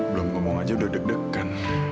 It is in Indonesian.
belum ngomong aja udah deg degan